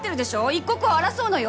一刻を争うのよ？